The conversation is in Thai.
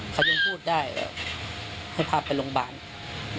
เขายังพูดได้ให้พาไปโรงพยาบาล